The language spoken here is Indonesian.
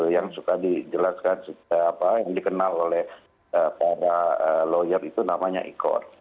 yang suka dijelaskan yang dikenal oleh para lawyer itu namanya e court